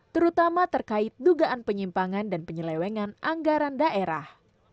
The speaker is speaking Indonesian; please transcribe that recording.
terutama terkait dugaan penyimpangan dan penyelewengan anggaran daerah